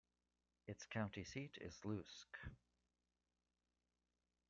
Its county seat is Lusk.